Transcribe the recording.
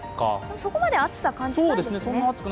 そこまで暑さを感じないですね。